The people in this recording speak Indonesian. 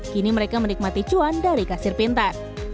kini mereka menikmati cuan dari kasir pintar